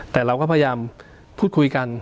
แต่เราก็พยายามพูดคุยกัน